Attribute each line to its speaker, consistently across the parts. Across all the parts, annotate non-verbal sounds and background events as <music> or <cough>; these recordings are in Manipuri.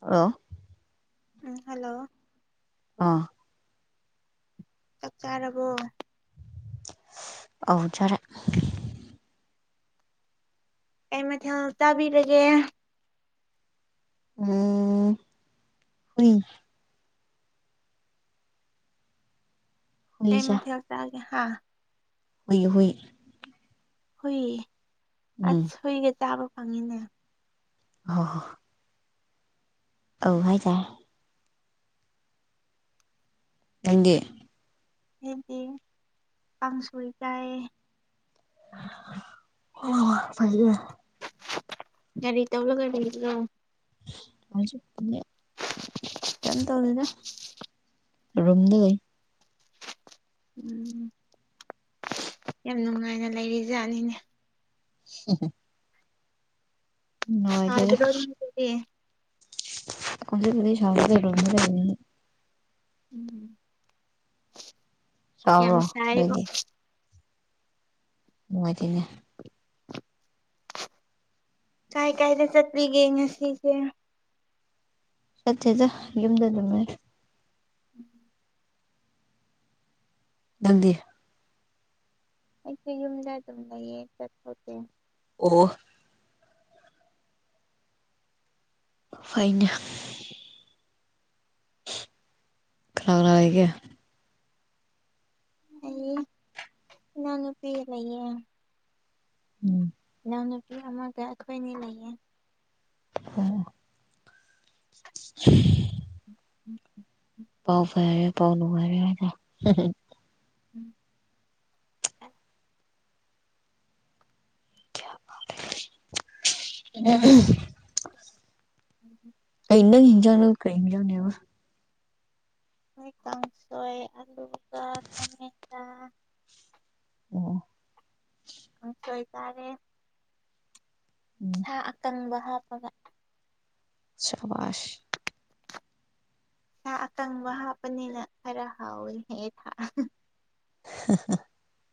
Speaker 1: ꯑ
Speaker 2: ꯎꯝ ꯍꯜꯂꯣ
Speaker 1: ꯑꯥ
Speaker 2: ꯆꯥꯛ ꯆꯥꯔꯕꯣ
Speaker 1: ꯑꯖꯔꯦ
Speaker 2: ꯑꯩꯃ ꯊ ꯇꯥꯕꯤꯔꯒꯦ
Speaker 1: ꯎꯝ ꯍ
Speaker 2: ꯀ
Speaker 1: ꯍꯨꯏ ꯆꯥ
Speaker 2: ꯃ ꯍꯧ ꯇꯒꯦ ꯍꯥ
Speaker 1: ꯍꯨꯏ ꯍꯨꯏ
Speaker 2: ꯍꯨꯏꯌꯦ
Speaker 1: ꯎꯝ
Speaker 2: ꯑꯁ ꯍꯨꯏꯒ ꯆꯥꯕ ꯐꯪꯉꯤꯅꯦ
Speaker 1: ꯑ ꯍ ꯑꯚꯥꯏꯗ ꯅꯪꯒꯤꯦ
Speaker 2: ꯍꯥꯏꯗꯤ ꯀꯥꯡꯁꯣꯏ ꯆꯥꯏ
Speaker 1: ꯑ ꯐ
Speaker 2: ꯀꯔꯤꯇꯂ ꯀꯅꯤꯗ
Speaker 1: ꯍꯧ ꯀꯝ ꯇꯧ ꯂꯩꯗ ꯔꯝꯗ
Speaker 2: ꯎꯝ ꯌꯥꯝ ꯅꯨꯡꯉꯥꯏꯅ ꯂꯩꯔꯤꯖꯥꯠꯅꯤꯅꯦ
Speaker 1: <unintelligible>
Speaker 2: ꯍꯥꯏꯗ꯭ꯔꯔꯗꯤ
Speaker 1: ꯀꯁ ꯁꯗꯔꯅꯤ
Speaker 2: ꯎꯝ ꯌꯥꯝ
Speaker 1: ꯁꯥꯕ꯭ꯔꯣ
Speaker 2: ꯆꯥꯏꯔꯤꯕ
Speaker 1: ꯃꯅꯨꯡꯗꯤꯅꯦ
Speaker 2: ꯀꯥꯏ ꯀꯥꯏꯗ ꯆꯠꯄꯤꯒꯦ ꯉꯁꯤꯁꯦ
Speaker 1: ꯆꯠꯦꯖ ꯌꯗ ꯑꯗꯨ
Speaker 2: ꯎꯝ
Speaker 1: ꯅꯪꯗꯤ
Speaker 2: ꯑꯩ ꯌꯨꯝꯗ ꯑꯗꯨ ꯂꯩꯌꯦ ꯆꯠ
Speaker 1: ꯑꯣ ꯐꯥꯏꯩꯅ ꯈꯔꯔꯥꯒꯦ
Speaker 2: ꯑꯩ ꯂꯪꯅ ꯄꯤ ꯂꯩꯌꯦ
Speaker 1: ꯎꯝ
Speaker 2: ꯅꯨꯄꯤ ꯑꯃꯒ ꯑꯩꯈꯣꯏꯅꯤ ꯂꯩꯌꯦ
Speaker 1: ꯑꯝ <inaudible>
Speaker 2: ꯎꯝ ꯎꯝ
Speaker 1: ꯄꯥꯎ ꯐꯔꯔꯦ ꯄꯥꯎ ꯂꯅꯨꯡ ꯐꯥꯏꯔ
Speaker 2: ꯎꯝ ꯎꯝ
Speaker 1: ꯑ ꯏꯩꯅ ꯍꯖꯅ ꯀꯖꯅꯦ
Speaker 2: ꯍꯣꯏ ꯀꯥꯡ ꯀꯥꯡꯁꯣꯏ ꯑꯂꯨꯒ ꯇꯥꯃꯦꯖꯥ
Speaker 1: ꯑꯣ
Speaker 2: ꯑ ꯀꯣꯏꯇꯥꯥꯔꯦ
Speaker 1: ꯎꯝ
Speaker 2: ꯁꯥ ꯑꯀꯪꯕ ꯍꯥꯞ ꯐꯕ
Speaker 1: ꯆꯃꯥꯁ
Speaker 2: ꯁꯥ ꯑꯀꯪꯕ ꯍꯥꯞꯄꯅꯤꯅ ꯈꯔ ꯍꯥꯎꯋꯤꯍꯦ ꯊꯥꯛ
Speaker 1: <inaudible>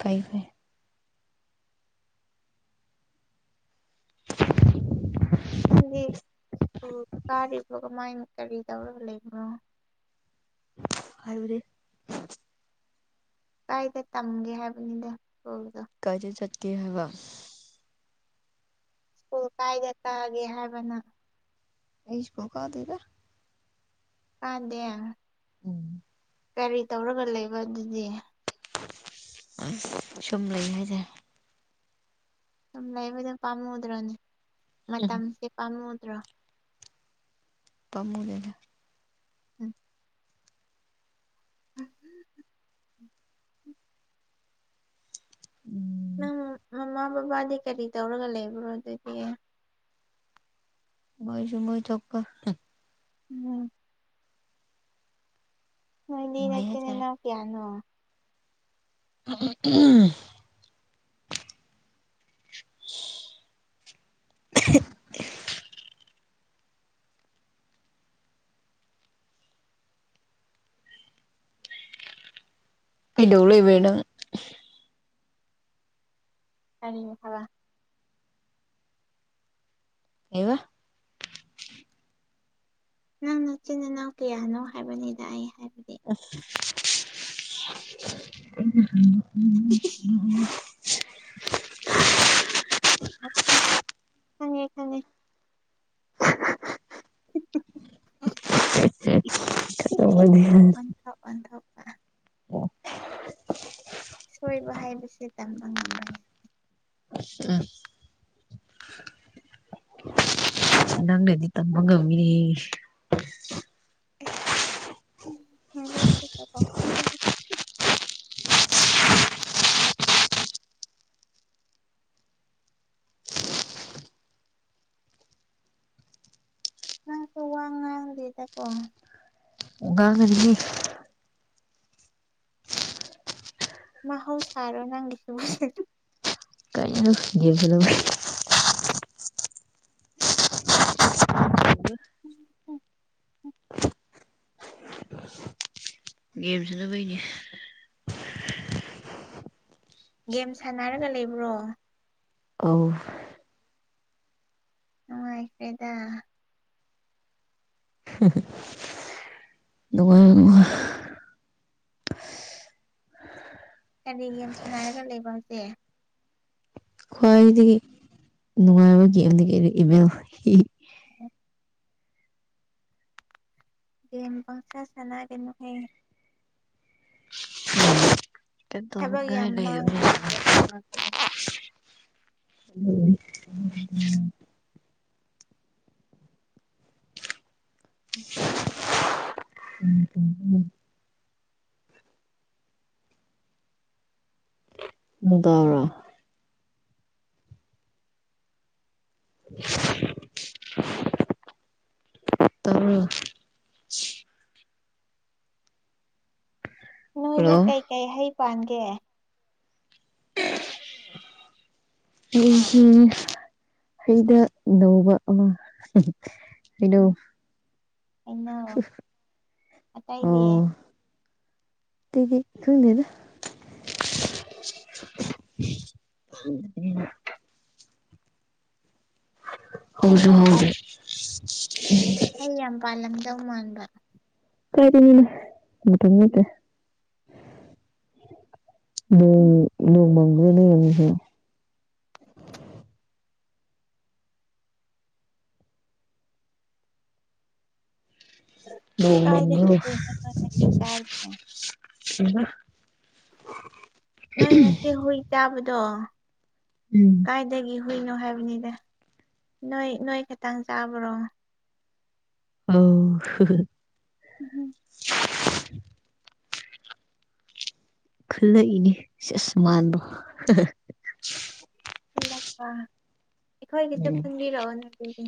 Speaker 1: ꯀꯥꯏ ꯐꯥꯏ <inaudible>
Speaker 2: ꯅꯗꯤ ꯁꯀꯨꯜ ꯀꯥꯔꯤꯕ꯭ꯔꯣ ꯀꯃꯥꯏꯅ ꯀꯔꯤ ꯇꯧꯔꯒ ꯂꯩꯕꯅꯣ
Speaker 1: ꯍꯥꯏꯕ꯭ꯔꯦ
Speaker 2: ꯀꯥꯏꯗ ꯇꯝꯒꯦ ꯍꯥꯏꯕꯅꯤꯗ ꯁ꯭ꯀꯨꯜꯗꯣ
Speaker 1: ꯀꯥꯏꯗ ꯆꯠꯀꯦ ꯍꯥꯏꯕ
Speaker 2: ꯁ꯭ꯀꯨꯜ ꯀꯥꯏꯗ ꯇꯛꯒꯦ ꯍꯥꯏꯕꯅ
Speaker 1: ꯏꯁꯨꯄꯣ ꯀꯥꯗꯗ
Speaker 2: ꯑꯗꯦ
Speaker 1: ꯎꯝ
Speaker 2: ꯀꯔꯤ ꯇꯧꯔꯒ ꯂꯩꯕ ꯑꯗꯨꯗꯤ
Speaker 1: ꯁꯨꯝ ꯂꯩ ꯍꯥꯏꯁꯦ
Speaker 2: ꯁꯨꯝ ꯂꯩꯕꯗꯣ ꯄꯥꯝꯃꯨꯗ꯭ꯔꯣꯅꯦ ꯃꯇꯝꯁꯦ ꯄꯥꯝꯃꯨꯗ꯭ꯔꯣ
Speaker 1: ꯇꯃꯨꯗꯅ
Speaker 2: ꯎꯝ <inaudible>
Speaker 1: ꯎꯝ
Speaker 2: ꯅꯪ ꯃꯃꯥ ꯕꯕꯥꯗꯤ ꯀꯔꯤ ꯇꯧꯔꯒ ꯂꯩꯕ꯭ꯔꯣ ꯑꯗꯨꯗꯤ
Speaker 1: ꯃꯣꯏꯁꯨ ꯃꯣꯏ ꯊꯣꯛꯄ
Speaker 2: ꯎꯝ ꯅꯣꯏ
Speaker 1: ꯑꯗꯨꯝ
Speaker 2: ꯅꯅꯦ
Speaker 1: ꯂꯩ ꯍꯥꯏꯇꯥꯔꯦ
Speaker 2: ꯍꯠꯇꯦꯅꯦꯅ ꯀꯌꯥꯅꯣ
Speaker 1: ꯎꯝ <unintelligible> ꯏꯂ ꯎꯕꯅ
Speaker 2: ꯀꯔꯤ ꯃꯈ ꯊꯕꯥ
Speaker 1: ꯑꯦ
Speaker 2: ꯅꯪ ꯅꯆꯤꯟ ꯏꯅꯥꯎ ꯀꯌꯥꯅꯣ ꯍꯥꯏꯕꯅꯤꯗ ꯑꯩ ꯍꯥꯏꯕ
Speaker 1: <unintelligible>
Speaker 2: ꯎ ꯊꯪꯉꯦ ꯊꯪꯉꯦ ꯑꯟꯊꯧ ꯑꯟꯊ ꯁ ꯇꯝ
Speaker 1: ꯑ ꯅꯪꯅꯗꯤ ꯇꯝꯕ ꯉꯝꯃꯤꯅꯦ
Speaker 2: <unintelligible> ꯅ ꯇ ꯋꯥꯉꯥꯡ ꯂꯤ ꯇꯀꯣ
Speaker 1: ꯎꯒ ꯈꯒꯤ
Speaker 2: ꯃꯍ ꯍꯥꯎ ꯁꯔꯣ ꯅꯪꯂꯤꯁꯁ
Speaker 1: ꯀꯥꯏꯩꯅ ꯌꯦꯕꯤꯅꯕ
Speaker 2: ꯎꯝ ꯎꯝ
Speaker 1: ꯒꯦꯝ ꯁꯥꯅꯕꯅꯤ
Speaker 2: ꯒꯦꯝ ꯁꯥꯟꯅꯔꯒ ꯂꯩꯕ꯭ꯔꯣ
Speaker 1: ꯑ
Speaker 2: ꯑ ꯍꯥꯏ꯭ꯔꯦꯗ
Speaker 1: ꯑꯗꯨꯒꯣꯏ
Speaker 2: ꯀꯔꯤ ꯌꯥꯝ ꯁꯥꯟꯅ ꯍꯥꯏꯔꯒ ꯂꯩꯕ ꯍꯧꯁꯦ
Speaker 1: ꯈ꯭ꯋꯥꯏꯗꯒꯤ ꯅꯨꯡꯉꯥꯏꯕ ꯒꯦꯝꯗꯒꯤ ꯑꯩꯩꯅ ꯏꯕꯦꯜ
Speaker 2: ꯎꯝ ꯒꯦꯝ ꯄꯪꯁꯥ ꯁꯅꯥꯒꯅꯣ
Speaker 1: ꯀꯗ
Speaker 2: ꯊꯕꯛ
Speaker 1: ꯃꯒ
Speaker 2: ꯌꯥꯝ
Speaker 1: ꯂꯩꯗ
Speaker 2: ꯃꯥꯡꯕꯅꯦ ꯒꯦꯝ
Speaker 1: ꯑꯣ
Speaker 2: ꯁꯥꯟꯅꯕꯁꯦ
Speaker 1: ꯑꯗꯔꯥ ꯇꯥꯕ꯭ꯔꯣ
Speaker 2: ꯅꯣꯏꯗ
Speaker 1: ꯍꯜꯂꯣ
Speaker 2: ꯀꯩꯀꯩ ꯍꯩ ꯄꯥꯟꯒꯦ ꯑꯥ
Speaker 1: ꯑꯩꯁꯤ ꯍꯩꯗ ꯅꯧꯕ ꯑꯃ ꯍꯩꯅꯣ
Speaker 2: ꯎꯝ ꯍꯩꯅꯧ ꯑꯇꯩꯗꯤ
Speaker 1: ꯑꯣ ꯇꯗꯤ ꯈꯗꯅ ꯎꯝ ꯍꯁꯨ ꯍꯗ
Speaker 2: ꯑꯩ ꯌꯥꯝ ꯄꯥꯜꯂꯝꯗꯧ ꯃꯥꯟꯕ
Speaker 1: ꯀꯔꯤꯅꯇꯇꯦ ꯅꯣꯡ
Speaker 2: ꯎꯝ
Speaker 1: ꯅꯣꯡꯃꯥꯡꯒ꯭ꯔꯅꯦꯁꯨ
Speaker 2: ꯀꯥꯏꯗꯒꯤ ꯍꯨꯏꯅꯣ ꯅꯣꯏ ꯉꯁꯤ ꯆꯥꯔꯤꯁꯦ
Speaker 1: <unintelligible>
Speaker 2: ꯅꯣꯏ ꯉꯁꯤ ꯍꯨꯏ ꯆꯥꯕꯗꯣ
Speaker 1: ꯎꯝ
Speaker 2: ꯀꯥꯏꯗꯒꯤꯏ ꯀꯨꯏꯅꯣ ꯍꯥꯏꯕꯅꯤꯗ ꯅꯣꯏ ꯅꯣꯏ ꯈꯤꯇꯪ ꯆꯥꯕ꯭ꯔꯣ
Speaker 1: ꯑꯣ ꯍ
Speaker 2: ꯎꯝ
Speaker 1: ꯈꯜꯂꯛꯏꯅꯦ ꯑꯁꯃꯥꯟꯗꯣ
Speaker 2: ꯂꯛꯄ ꯑꯩꯈꯣꯏꯒꯤꯁꯨ
Speaker 1: ꯎꯝ
Speaker 2: ꯄꯨꯟꯕꯤꯔꯛꯑꯣ ꯅ ꯑꯗꯨꯗꯤ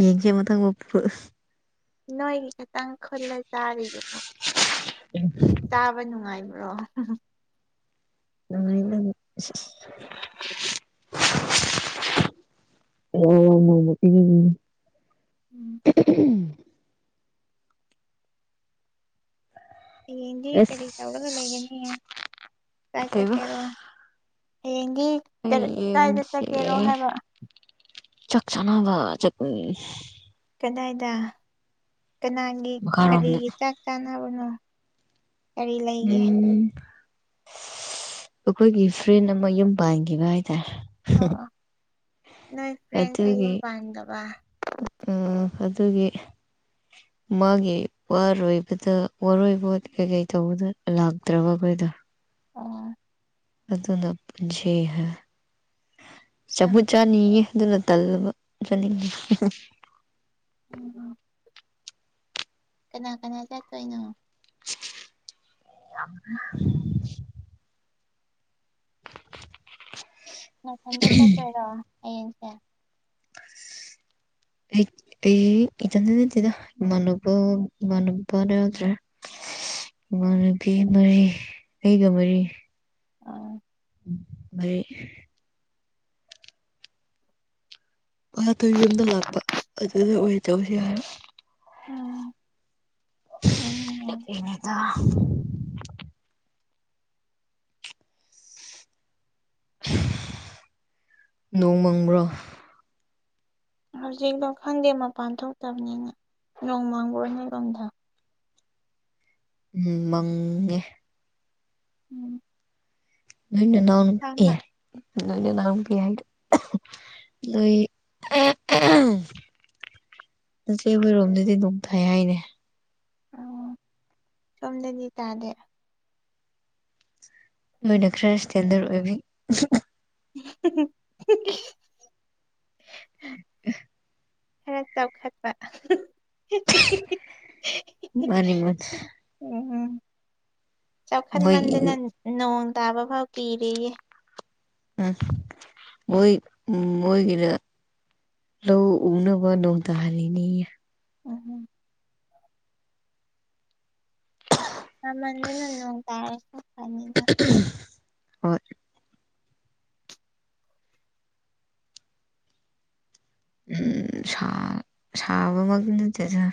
Speaker 1: ꯌꯦꯡꯖꯦ ꯃꯇꯪ ꯄꯨ
Speaker 2: ꯅꯣꯏꯒꯤ ꯈꯤꯇꯪ ꯈꯨꯜꯂ ꯆꯥꯔꯤꯗꯨꯕꯨ ꯆꯥꯕ ꯅꯨꯡꯉꯥꯏꯅꯤ ꯑꯣ
Speaker 1: ꯑ ꯏ ꯑꯣ ꯃꯃ
Speaker 2: ꯎꯝ
Speaker 1: ꯎꯝ
Speaker 2: ꯍꯌꯦꯡꯗꯤ
Speaker 1: ꯑꯁ
Speaker 2: ꯀꯔꯤ ꯇꯧꯔꯒ ꯂꯩꯒꯅꯤ ꯆꯥꯏ
Speaker 1: ꯀꯩꯕ
Speaker 2: ꯆꯠꯀꯦꯔꯣ ꯍꯌꯦꯡꯒꯤ ꯀ
Speaker 1: ꯑꯩ
Speaker 2: ꯀꯥꯏꯗ ꯆꯠꯀꯦꯔꯣ ꯍꯥꯏꯕ
Speaker 1: ꯆꯥꯛꯆꯥꯅꯕ ꯆꯦꯛ
Speaker 2: ꯀꯗꯥꯏꯗ ꯀꯅꯥꯒꯤ
Speaker 1: ꯃꯈꯥꯔꯣꯝꯗ
Speaker 2: ꯀꯔꯤꯒꯤ ꯆꯥꯛ ꯆꯥꯅꯕꯅꯣ ꯀꯔꯤ ꯂꯩꯒꯦ
Speaker 1: ꯎꯝ ꯑꯩꯈꯣꯏꯒꯤ ꯐ꯭ꯔꯦꯟ ꯑꯃ ꯌꯨꯝ ꯄꯥꯟꯈꯤꯕ ꯍꯥꯏ
Speaker 2: ꯑꯣ ꯅꯣꯏ ꯐ꯭ꯔꯦꯟꯁꯦ
Speaker 1: ꯑꯗꯨꯒꯤ
Speaker 2: ꯌꯨꯝ ꯄꯥꯟꯗꯕ
Speaker 1: ꯑꯗꯨꯒꯤ ꯃꯥꯒꯤ ꯋꯥꯔꯣꯏꯕꯗ ꯋꯥꯔꯣꯏꯕꯣ ꯀꯩꯀꯩ ꯇꯧꯕꯗ ꯂꯥꯛꯇ꯭ꯔꯕ ꯑꯩꯈꯣꯏꯗ
Speaker 2: ꯑꯥ
Speaker 1: ꯑꯗꯨꯅ ꯄꯨꯟꯁꯤꯦ ꯍꯥꯏ
Speaker 2: ꯌꯥꯝ
Speaker 1: ꯆꯃꯨ ꯆꯥꯅꯤꯌꯦ ꯑꯗꯨꯅ ꯇꯜꯕ ꯆꯅꯤꯡꯦ
Speaker 2: ꯎꯝꯝ ꯀꯅꯥ ꯀꯅꯥ ꯆ ꯇꯣꯣꯏ ꯅ
Speaker 1: <unintelligible>
Speaker 2: ꯅ ꯍꯟꯗ ꯆꯠꯇꯔꯣ ꯑꯩꯡꯁꯦ <unintelligible>
Speaker 1: ꯏꯟ ꯅꯠꯇꯗ ꯃꯅꯣꯕ ꯃꯅꯣꯕꯅꯦꯗ꯭ꯔ
Speaker 2: <unintelligible>
Speaker 1: ꯏꯃ ꯅꯨꯨꯄꯤ ꯃꯔꯤ ꯑꯩꯒ ꯃꯔꯤ
Speaker 2: ꯎ
Speaker 1: ꯃꯗꯒꯤ ꯑꯗꯨ ꯌꯨꯝꯗ ꯂꯥꯛꯄ ꯑꯗꯨꯗ ꯑꯣꯏ ꯇꯧꯁꯤ ꯍꯥꯏꯔ
Speaker 2: ꯎꯝ ꯌꯥꯝ ꯅꯨꯡꯉꯥꯏ
Speaker 1: ꯏꯩꯅꯗ ꯅꯣꯡ ꯃꯪꯕ꯭ꯔꯣ
Speaker 2: ꯍꯧꯖꯤꯛꯛꯇꯣ ꯈꯪꯗꯦ ꯃꯄꯥꯟ ꯊꯣꯛꯇꯕꯅꯤꯅ ꯅꯣꯡꯃꯥꯡꯒ ꯑꯣꯏꯅ ꯂꯣꯝꯗ
Speaker 1: ꯎꯝ ꯃꯪꯉꯦ
Speaker 2: ꯎꯝ
Speaker 1: ꯅꯣꯏꯅ ꯅꯎꯅ ꯑꯦ
Speaker 2: ꯁꯥꯃ
Speaker 1: ꯅꯣꯏꯅ ꯅꯝ ꯄꯤ ꯍꯥꯏ ꯅꯣꯏ ꯉꯆꯦ ꯍꯣꯏꯔꯣꯝꯗꯗꯤ ꯅꯨꯡ ꯐꯥꯏ ꯍꯥꯏꯅꯦ
Speaker 2: ꯑꯣ ꯁꯣꯝꯗꯗꯤ ꯇꯥꯗꯦ
Speaker 1: ꯅꯣꯏꯅ ꯈꯔ ꯏꯁꯇꯦꯟꯗꯔꯠ ꯑꯣꯏꯕꯤ
Speaker 2: <unintelligible>
Speaker 1: <unintelligible>
Speaker 2: ꯈꯔ ꯆꯥꯎꯈꯠꯄ
Speaker 1: ꯃꯥꯅꯤ ꯃꯥꯅꯤ
Speaker 2: ꯎꯝ
Speaker 1: ꯃꯣꯏꯒꯤ
Speaker 2: ꯆꯥꯎꯈꯠꯃꯟꯗꯅ ꯅꯣꯡ ꯇꯥꯕ ꯐꯥꯎ ꯀꯤꯔꯌꯦ
Speaker 1: ꯑ ꯍ ꯎꯝ ꯑꯣꯏꯣꯏꯒꯗ ꯂ ꯎꯅ ꯋꯥꯅꯗ ꯍꯥꯏꯔꯅꯤ
Speaker 2: ꯎꯝ ꯅꯃꯅꯅ ꯅꯣꯡ ꯇꯔꯅ
Speaker 1: ꯍ ꯎꯝ ꯁꯕꯒꯠꯇꯁ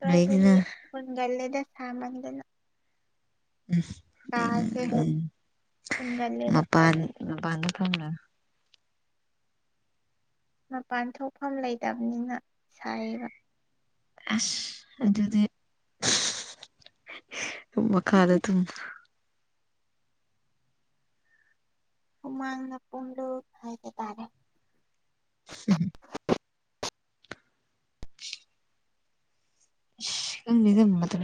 Speaker 2: ꯑꯗꯨꯋꯥꯏꯗꯗꯤ
Speaker 1: ꯂꯩꯗꯅ
Speaker 2: ꯑꯩꯟꯒꯂꯦꯗ ꯁꯥꯃꯟꯗꯅ
Speaker 1: ꯎꯝ
Speaker 2: ꯀꯥꯁꯦ
Speaker 1: ꯎꯝ ꯎꯝ
Speaker 2: ꯐꯨꯟꯒꯜꯂꯦꯕ
Speaker 1: ꯃꯄꯥꯟ ꯃꯄꯥꯟꯅ ꯊꯝꯅ
Speaker 2: ꯃꯄꯥꯟ ꯊꯣꯛꯐꯝ ꯂꯩꯇꯕꯅꯤꯅ ꯁꯥꯏꯌꯦꯕ
Speaker 1: ꯑꯁ ꯑꯗꯨꯗꯤ ꯃꯈ ꯀꯥꯗ ꯑꯗꯨꯝ
Speaker 2: ꯍꯨꯃꯥꯡꯅ ꯄꯟꯂꯨ ꯍꯥꯏꯕ ꯇꯔꯦ
Speaker 1: <inaudible> ꯗ ꯃ ꯃꯇꯝ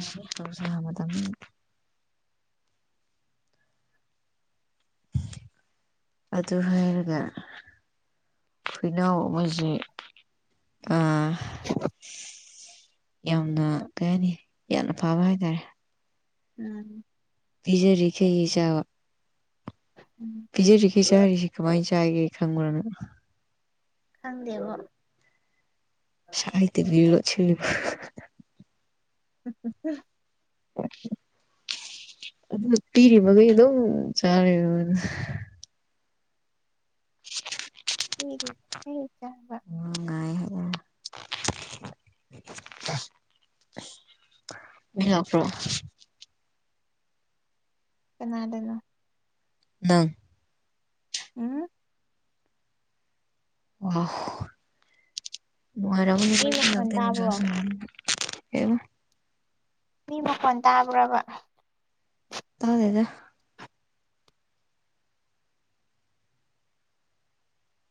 Speaker 1: ꯃꯇꯝ ꯑꯗꯨ ꯍꯥꯏꯔꯒ ꯍꯣꯏꯅꯥꯎ ꯑꯃ ꯁꯤ ꯑꯥ ꯌꯥꯝꯅ ꯀꯩ ꯍꯥꯏꯅꯤ ꯌꯥꯝꯅ ꯐꯕ ꯍꯥꯏꯇꯥꯔꯦ
Speaker 2: ꯎꯝ
Speaker 1: ꯄꯤꯖꯔꯤ ꯈꯩꯌꯦ ꯆꯥꯕ
Speaker 2: ꯎꯝ
Speaker 1: ꯄꯤꯖꯔꯤꯒꯦ ꯆꯥꯔꯤꯁꯤꯦ ꯀꯃꯥꯏꯅ ꯆꯥꯒꯦ ꯈꯪꯕ꯭ꯔꯅꯣ
Speaker 2: ꯈꯪꯗꯦꯕꯣ
Speaker 1: ꯁꯍꯤꯇ
Speaker 2: ꯎ
Speaker 1: ꯑꯗꯨ ꯄꯤꯔꯤ ꯃꯈꯒꯩꯗꯣ ꯆꯥꯔꯦ
Speaker 2: ꯎ ꯍ ꯆꯕ <inaudible>
Speaker 1: ꯏ ꯑ꯭ꯔꯣ
Speaker 2: ꯅꯗꯅꯣ
Speaker 1: ꯅꯪ
Speaker 2: ꯎꯝ
Speaker 1: ꯑꯣ ꯃꯣꯏꯔ
Speaker 2: ꯃꯤ
Speaker 1: ꯆ
Speaker 2: ꯃꯈꯣꯟ ꯇꯥꯕ꯭ꯔꯣ
Speaker 1: ꯑꯦ
Speaker 2: ꯃꯤ ꯃꯈꯣꯟ ꯇꯥꯕ꯭ꯔꯕ
Speaker 1: ꯇꯥꯗꯦꯗ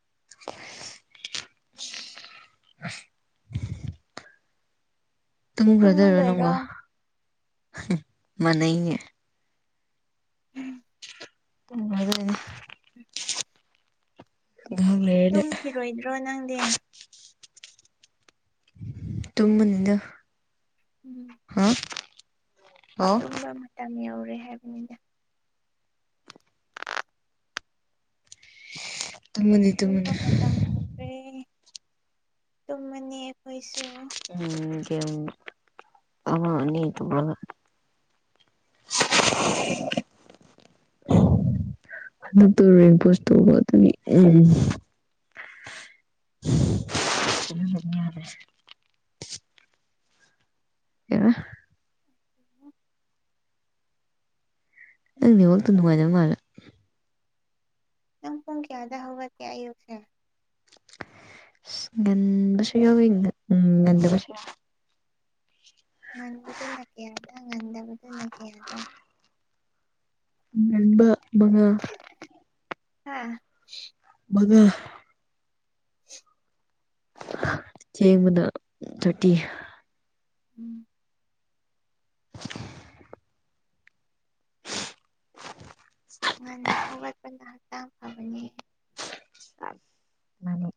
Speaker 1: <inaudible> ꯇꯨꯝꯃꯈ꯭ꯔꯗ ꯑꯣꯏꯔꯣ ꯅꯪꯒꯣ
Speaker 2: ꯇꯨꯝꯃꯗꯣꯏꯔꯣ
Speaker 1: ꯃꯅꯩꯅꯦ ꯑꯗꯤ
Speaker 2: ꯇꯨꯝꯈꯤꯔꯣꯏꯗ꯭ꯔꯣ ꯅꯪꯗꯤ
Speaker 1: ꯇꯨꯃꯅꯤꯅ
Speaker 2: ꯎꯝ
Speaker 1: ꯍꯥꯎ
Speaker 2: ꯇꯨꯝꯕ ꯃꯇꯝ ꯌꯧꯔꯦ ꯍꯥꯏꯕꯅꯤꯗ
Speaker 1: ꯇꯨꯝꯃꯅꯤ
Speaker 2: ꯇꯨꯝꯕ
Speaker 1: ꯇꯨꯝꯃꯅꯤ
Speaker 2: ꯃꯇꯝ ꯌꯈ꯭ꯔꯦ ꯇꯨꯝꯃꯅꯤ ꯑꯩꯈꯣꯏꯁꯨ
Speaker 1: ꯎꯝ ꯀ ꯑ ꯅꯇꯕꯂ
Speaker 2: <inaudible>
Speaker 1: ꯑꯗꯨ ꯇꯄꯁ ꯇꯧꯕ ꯑꯗꯨ ꯎ
Speaker 2: <inaudible>
Speaker 1: ꯑꯦ ꯅꯪꯅꯦꯉꯛꯇ ꯅꯨꯡꯉꯥꯏꯖꯕ ꯃꯥꯂꯦ
Speaker 2: ꯅꯪ ꯄꯣꯣꯡ ꯀ ꯑꯗ ꯍꯋꯥ ꯀꯌꯥ ꯌꯨꯁ
Speaker 1: ꯒꯟꯁ ꯌꯥꯣ ꯎꯝ ꯟꯗꯕꯁ
Speaker 2: ꯅꯟꯕꯗꯨ ꯅ ꯀꯌꯥꯗ ꯉꯟꯗꯕꯨꯗꯨ ꯅ ꯀꯌꯥꯗ
Speaker 1: ꯏꯝꯕ ꯃꯉ
Speaker 2: ꯑꯥ
Speaker 1: ꯃꯗꯨ
Speaker 2: <inaudible>
Speaker 1: ꯆꯦꯡꯕꯗ ꯆꯇꯤ
Speaker 2: ꯎꯝ ꯉꯟꯅ ꯍꯧꯒꯠꯄꯅ ꯍꯛꯆꯥꯡ ꯐꯕꯅꯤ
Speaker 1: ꯃꯥꯅꯤ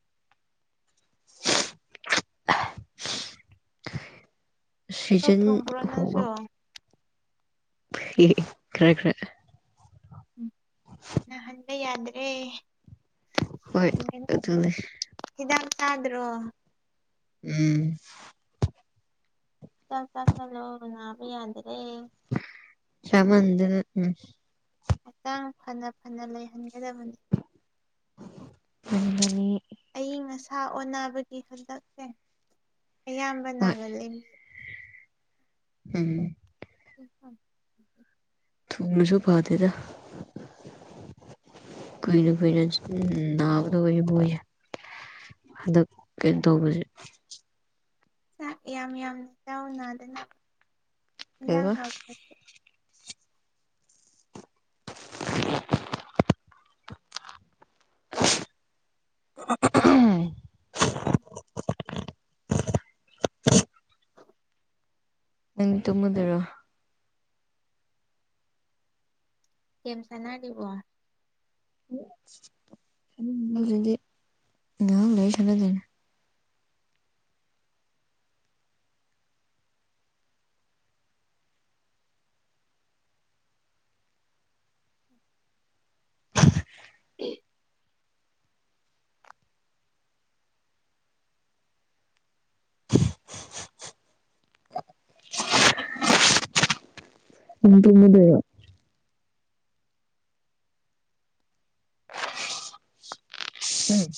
Speaker 2: <inaudible> ꯆꯥꯛ
Speaker 1: ꯁ꯭ꯖꯟ
Speaker 2: ꯊꯣꯡꯕ꯭ꯔꯣ
Speaker 1: ꯍꯕ
Speaker 2: ꯅꯪꯁꯨ
Speaker 1: ꯑꯦ ꯈꯔꯥ ꯈꯔꯥ
Speaker 2: ꯅ ꯍꯜꯦ ꯌꯥꯗ꯭ꯔꯦ
Speaker 1: ꯍꯣꯏ ꯑꯗꯨꯅꯦ
Speaker 2: ꯍꯤꯗꯥꯛ ꯆꯥꯗ꯭ꯔꯣ
Speaker 1: ꯎꯝ
Speaker 2: ꯆꯠ ꯆ ꯆꯂꯣꯕꯅꯥꯕ ꯌꯥꯗ꯭ꯔꯦ
Speaker 1: ꯆꯃꯥꯟꯗ ꯎꯝ
Speaker 2: ꯍꯛꯆꯥꯡ ꯐꯅ ꯐꯅ ꯂꯩꯍꯟ
Speaker 1: ꯃꯅꯤ
Speaker 2: ꯑ ꯉ ꯁꯥ ꯑꯣꯟꯅꯕꯒꯤ ꯍꯟꯗꯛꯁꯦ ꯑꯌꯥꯝꯕ ꯅꯥꯒꯂ
Speaker 1: ꯍꯝ
Speaker 2: ꯍ
Speaker 1: ꯊꯝꯃꯁꯨ ꯐꯥꯗꯦꯗ ꯀꯣꯏꯅ ꯀ ꯅꯅꯥꯕꯗ ꯀꯕꯨ ꯑꯗ ꯀꯩ ꯇꯧꯕꯁꯦ
Speaker 2: ꯆꯥꯛ ꯌꯥꯝ ꯌꯥꯝ ꯆꯥꯎ ꯅꯥꯗꯅ ꯏꯟꯖꯥꯡ
Speaker 1: ꯀꯩꯕ
Speaker 2: ꯍꯥꯎꯄꯁꯨ
Speaker 1: ꯑ
Speaker 2: <unintelligible> <unintelligible>
Speaker 1: ꯅ ꯇꯃꯗꯔ
Speaker 2: ꯀꯦꯝ ꯁꯅꯥ ꯗꯕ
Speaker 1: ꯗꯤ ꯉ ꯂꯩ ꯁꯂꯅ
Speaker 2: ꯑꯦ
Speaker 1: ꯎ ꯇꯃꯗꯔꯣ ꯎꯝ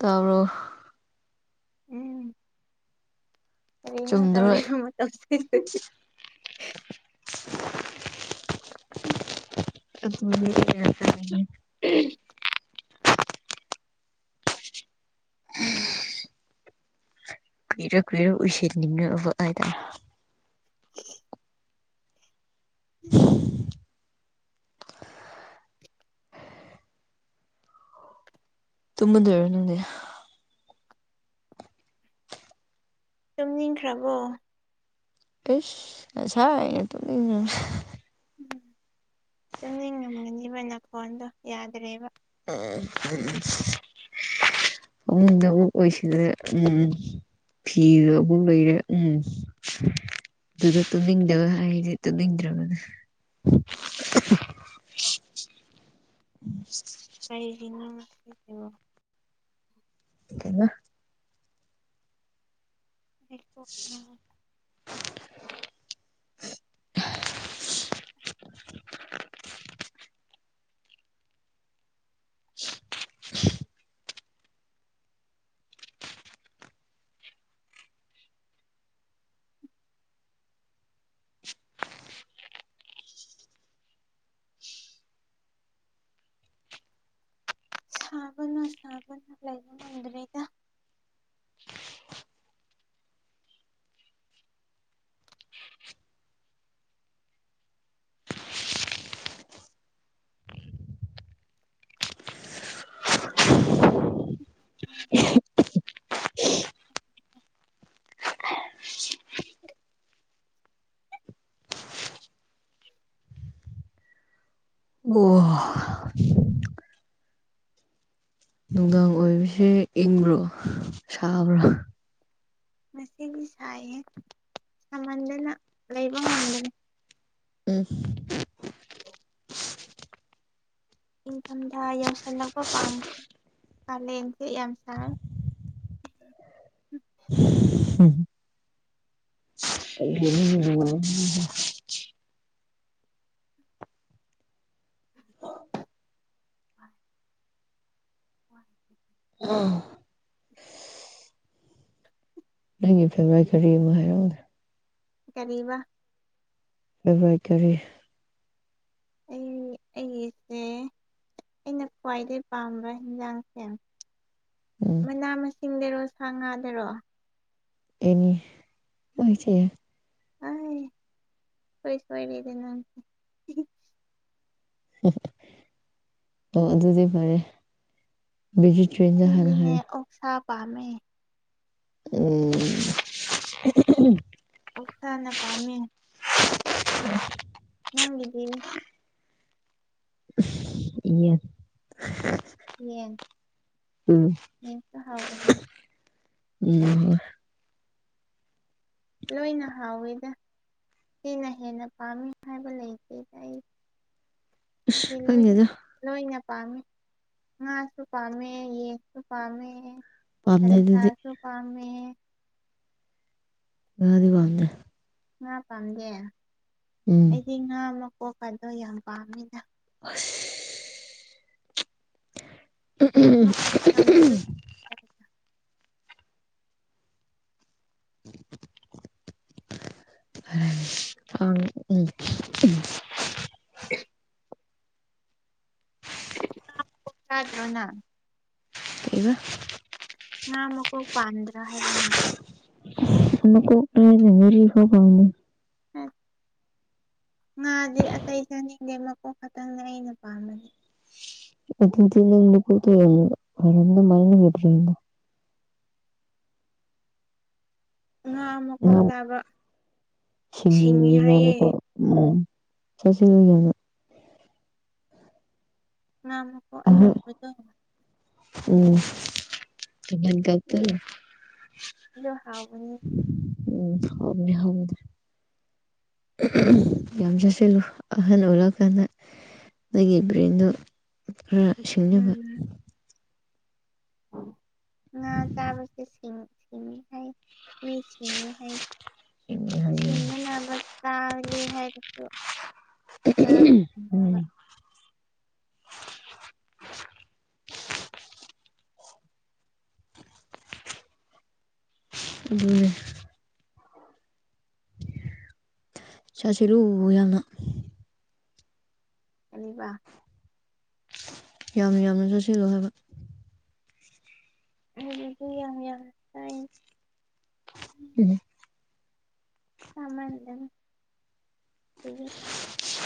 Speaker 1: ꯇꯔꯣ
Speaker 2: ꯎꯝ ꯀ ꯉ
Speaker 1: ꯆꯨꯝꯗ꯭ꯔꯣ
Speaker 2: ꯇꯕꯅꯤꯅ ꯇꯧ
Speaker 1: ꯑꯦ
Speaker 2: <inaudible>
Speaker 1: ꯎꯝ ꯀꯨꯏꯔꯣ ꯀꯨꯏꯔꯣ ꯎꯏꯁꯤꯔꯅꯤꯡꯕꯗ
Speaker 2: <unintelligible> ꯎꯝ
Speaker 1: ꯇꯨꯝꯃ ꯗꯦꯔ ꯅꯪꯗꯤ
Speaker 2: ꯆꯨꯝꯅꯤꯡꯈ꯭ꯔꯕꯣ
Speaker 1: ꯑꯦꯁ ꯑꯁꯥꯏꯅ ꯇ
Speaker 2: ꯎ ꯆꯨꯝꯅꯤꯡ ꯉꯝꯒꯅꯦꯕꯅ ꯐꯣꯟꯗꯣ ꯌꯥꯗ꯭ꯔꯦꯕ
Speaker 1: ꯑ ꯎꯝ ꯗ ꯑꯣꯏꯣꯏꯁꯤꯗ ꯎꯝ ꯐꯤꯁꯨꯕꯨ ꯂꯩꯔꯦ ꯎꯝ ꯑꯗꯨꯗ ꯇꯃꯤꯗꯕ ꯑꯩꯗꯤ ꯇꯃꯤꯗ꯭ꯔꯕ ꯑꯗꯨ ꯎ
Speaker 2: ꯀꯅ ꯃꯕ
Speaker 1: ꯀꯅ
Speaker 2: ꯣ <unintelligible>
Speaker 1: <unintelligible>
Speaker 2: <unintelligible> ꯁꯥꯕꯅꯣ ꯁꯥꯕꯅꯣ ꯂꯩꯕ ꯉꯝꯗ꯭ꯔꯦꯗ
Speaker 1: ꯑꯣ ꯅꯨꯡꯗꯥꯡ ꯑꯣꯏꯕꯁꯦ ꯏꯪꯕ꯭ꯔꯣ ꯁꯥꯕ꯭ꯔꯥ
Speaker 2: ꯉꯁꯤꯒꯤ ꯁꯥꯏ ꯍꯦ ꯁꯝꯍꯟꯗꯅ ꯂꯩꯕ ꯉꯝꯗ ꯭ꯔꯦ
Speaker 1: ꯎꯝ
Speaker 2: ꯏꯪꯊꯝꯊꯥ ꯌꯧꯁꯤꯜꯂꯛꯄ ꯄꯥꯝꯃꯦ ꯀꯂꯦ ꯆꯩ ꯌꯥꯝ ꯁꯥ ꯑ <unintelligible>
Speaker 1: ꯅꯪꯒꯤ ꯐꯔꯚꯥꯏ ꯀꯔꯤ ꯑꯃꯣ ꯍꯥꯏꯔꯛ ꯒꯣ ꯗ
Speaker 2: ꯀꯔꯤꯕ
Speaker 1: <unintelligible> ꯀꯔꯤ
Speaker 2: ꯑꯩ ꯑꯩꯁꯦ ꯑꯩꯅ ꯈ꯭ꯋꯥꯏꯗꯩ ꯄꯥꯝꯕ ꯌꯦꯟꯖꯥꯡꯁꯦ
Speaker 1: ꯎꯝ
Speaker 2: ꯃꯅꯥ ꯃꯁꯤꯡꯗꯔꯣ ꯁꯥ ꯉꯥꯗꯔꯣ
Speaker 1: ꯑꯦꯅꯤ ꯑꯣꯏꯁꯦ
Speaker 2: ꯑ ꯀꯩꯁ ꯑꯣꯏꯗꯤ ꯅ
Speaker 1: ꯑꯣ ꯑꯗꯨꯗꯤ ꯐꯔꯦ ꯕꯦꯖꯤ ꯇ꯭ꯔꯦꯟ ꯆ ꯍꯅ
Speaker 2: ꯑꯩꯗꯤꯅꯦ
Speaker 1: ꯍꯥꯏꯌꯣ
Speaker 2: ꯑꯣꯛꯁꯥ ꯄꯥꯝꯃꯦ
Speaker 1: ꯎꯝ
Speaker 2: ꯑꯣꯛꯁꯥꯅ ꯄꯥꯝꯃꯤ
Speaker 1: ꯎ <unintelligible>
Speaker 2: ꯅꯪꯒꯤꯗꯤ
Speaker 1: <unintelligible> ꯌꯦꯜ
Speaker 2: ꯌꯦꯁꯨ ꯍꯥꯎꯕꯅꯤ
Speaker 1: ꯎꯝ
Speaker 2: ꯂꯣꯏꯅ ꯍꯥꯎꯋꯤꯗ ꯁꯤꯅ ꯍꯦꯟꯅ ꯄꯥꯝꯃꯤ ꯍꯥꯏꯕ ꯂꯩꯇꯦ ꯑꯩ
Speaker 1: ꯑꯁ
Speaker 2: ꯂꯣꯏ
Speaker 1: ꯈꯪꯗꯦꯗ
Speaker 2: ꯂꯣꯏꯅꯦ ꯄꯥꯝꯦ ꯉꯁꯨ ꯄꯥꯝꯃꯦ ꯌꯦꯁꯨ ꯄꯥꯝꯦ
Speaker 1: ꯄꯥꯝꯗꯦ ꯑꯗꯨꯗꯤ
Speaker 2: ꯁꯥꯜꯁꯥꯁꯨ ꯄꯥꯃꯦ
Speaker 1: ꯉꯗꯤ ꯋꯥꯗꯦ
Speaker 2: ꯉꯥ ꯄꯥꯝꯗꯦ
Speaker 1: ꯎꯝ
Speaker 2: ꯑꯩꯗꯤ ꯉꯥ ꯑꯃ ꯄꯣꯛꯄꯗꯣ ꯌꯥꯝ ꯄꯥꯝꯃꯤꯅ
Speaker 1: ꯑꯁ
Speaker 2: ꯃꯀꯣꯛꯅ ꯃꯔꯨ
Speaker 1: <unintelligible>
Speaker 2: <unintelligible>
Speaker 1: ꯑ ꯎꯝ
Speaker 2: <unintelligible> ꯆꯗ꯭ꯔꯣꯅ
Speaker 1: ꯏꯕ
Speaker 2: ꯉꯥ ꯃꯀꯣꯛ ꯄꯥꯝꯗ꯭ꯔꯥ ꯍꯥꯏꯕꯅ
Speaker 1: ꯑ ꯀꯦꯔꯤ ꯍꯕꯅꯤ
Speaker 2: ꯎꯝ ꯉꯥꯗꯤ ꯑꯇꯩ ꯆꯥꯅꯤꯡꯗꯦ ꯃꯀꯣꯛ ꯈꯛꯇꯪꯅ ꯑꯩꯅ ꯄꯥꯝꯕꯅꯤ
Speaker 1: ꯑ ꯄꯠꯇꯣ <unintelligible>
Speaker 2: ꯉꯥ ꯃꯀꯣꯛ ꯆꯥꯕ
Speaker 1: ꯁꯤ
Speaker 2: ꯁꯤꯡꯉꯤ
Speaker 1: ꯏ
Speaker 2: ꯍꯥꯏꯌꯦ
Speaker 1: <unintelligible> ꯆꯁꯤ <unintelligible>
Speaker 2: ꯉꯥꯃꯨꯀꯣ
Speaker 1: ꯑꯍꯟ
Speaker 2: ꯑꯆꯧꯕꯗꯣ
Speaker 1: ꯎꯝ ꯃ ꯀꯧ ꯇ
Speaker 2: ꯑꯗꯨ ꯑꯗꯨ ꯍꯥꯎꯕꯅꯤ
Speaker 1: ꯎꯝ ꯍꯅꯦ ꯍꯥꯎꯗ ꯌꯥꯝ ꯆꯠꯁꯤꯜꯂꯨ ꯑꯍꯟ ꯑꯣꯏꯔꯛꯑꯀꯥꯟꯗ ꯑꯩꯒꯤ ꯕ꯭ꯔꯦꯟꯗꯣ ꯈꯔ ꯁꯤꯡꯕ
Speaker 2: ꯉ ꯆꯕꯁꯦ ꯁꯤꯦꯡꯉ ꯍꯥꯏꯥꯏ ꯃꯤꯁꯤꯉꯦ ꯍꯥꯏ ꯁꯤꯁꯤꯡꯅꯅꯕ ꯇꯥꯦ ꯍꯥꯏꯁꯨꯣ ꯆꯥꯎꯥꯕ
Speaker 1: ꯑꯗꯨꯅꯦ ꯆꯁꯤꯔ ꯌꯥꯝꯅ
Speaker 2: ꯀꯅꯤꯕ
Speaker 1: ꯌꯥꯝ ꯌꯥꯝꯅ ꯆꯠꯁꯤꯂꯣ ꯍꯥꯏꯕ
Speaker 2: ꯑꯩꯕꯨ ꯌꯥ ꯌꯥ ꯇꯥꯏ
Speaker 1: ꯎꯝ
Speaker 2: ꯀꯃꯗꯅꯤ ꯊ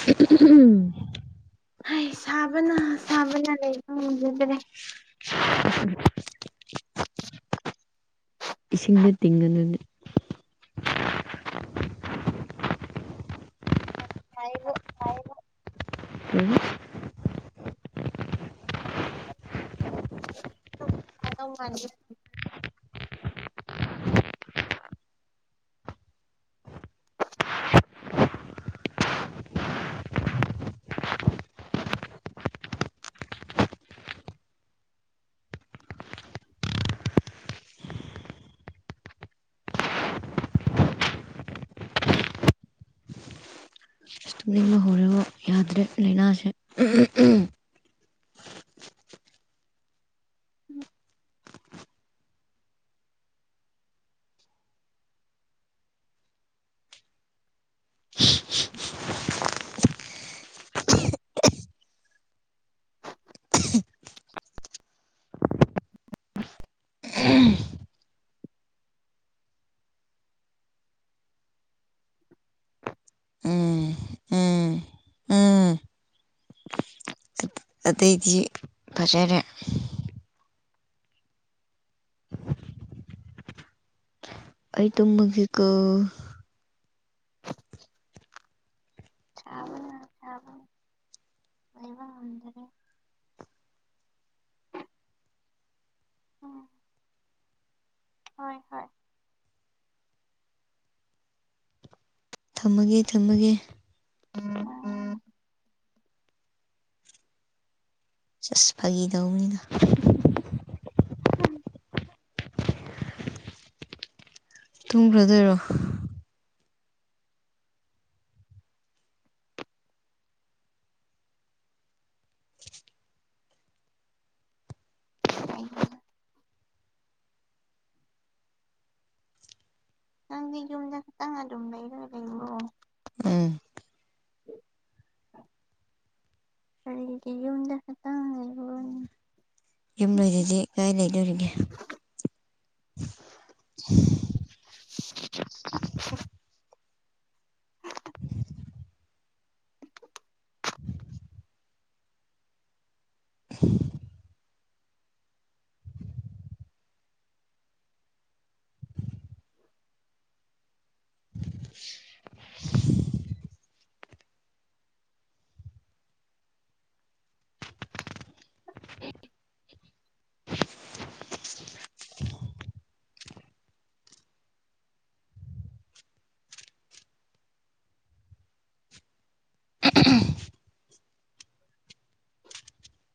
Speaker 1: ꯎꯝ
Speaker 2: ꯍ ꯁꯥꯕꯅ ꯁꯥꯕꯅ ꯂꯩꯕ ꯉꯝꯖꯗ꯭ꯔꯦ
Speaker 1: <inaudible> ꯏꯁꯤꯡꯁꯦ ꯇꯤꯡꯒꯗꯅꯦ
Speaker 2: ꯑ ꯐꯥꯏꯕ
Speaker 1: ꯎꯝ
Speaker 2: <inaudible>
Speaker 1: ꯇꯨꯝꯅꯤꯡꯕ ꯍꯧꯔꯦꯕꯣ ꯌꯥꯗ꯭ꯔꯦ ꯂꯩꯅꯥꯁꯦ ꯎꯝ ꯎꯝ ꯎꯝ ꯎꯝ ꯑꯇꯩꯗꯤ ꯐꯖꯔꯦ ꯑꯩꯇꯦꯝꯒꯤꯀ
Speaker 2: ꯆꯕ ꯆꯕ ꯑꯣꯏꯩꯕ ꯃꯟꯗꯔꯦ ꯎ ꯍꯣꯏ ꯍꯣꯏ
Speaker 1: ꯊꯝꯃꯒꯦ ꯊꯝꯃꯒꯦ
Speaker 2: ꯎꯝ ꯎꯝ
Speaker 1: ꯆꯁ ꯐꯥꯒꯤꯗꯧꯕꯅꯤꯅ
Speaker 2: ꯍꯝ
Speaker 1: ꯇꯨꯝꯈ꯭ꯔꯗꯣꯏꯔꯣ
Speaker 2: ꯅꯪꯗꯤ ꯌꯨꯝꯗ ꯈꯛꯇꯪ ꯑꯗꯨꯝ ꯂꯩꯔꯒ ꯂꯩꯔꯣ <inaudible>
Speaker 1: ꯎꯝ
Speaker 2: ꯑꯔꯗꯤ ꯌ ꯎꯟꯗ ꯈꯇꯥ ꯍꯥꯏꯕ
Speaker 1: ꯌꯨꯝ ꯂꯣꯏꯗꯗꯤ ꯀꯥꯏ ꯂꯩꯗꯣꯔꯤꯒꯦ
Speaker 2: <inaudible>
Speaker 1: <inaudible> <inaudible>
Speaker 2: <inaudible>